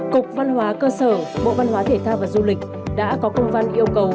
cục văn hóa cơ sở bộ văn hóa thể thao và du lịch đã có công văn yêu cầu